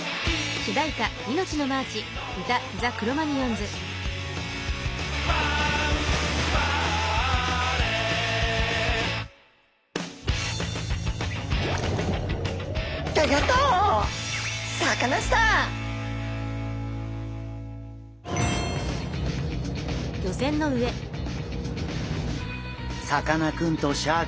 さかなクンとシャーク香音さん